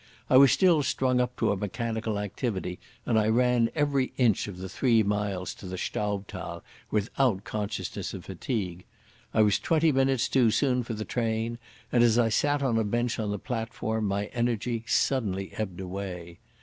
I was still strung up to a mechanical activity, and I ran every inch of the three miles to the Staubthal without consciousness of fatigue. I was twenty minutes too soon for the train, and, as I sat on a bench on the platform, my energy suddenly ebbed away.